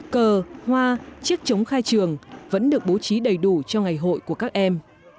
cờ hoa chiếc trống khai trường vẫn được bố trí đầy đủ cho ngày hội của các em